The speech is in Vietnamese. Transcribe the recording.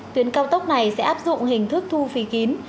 tuyến cao tốc này sẽ áp dụng hình thức thu phí kín